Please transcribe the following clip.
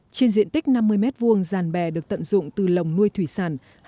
trên diện tích năm mươi m hai giàn bè được tận dụng từ lồng nuôi thủy sản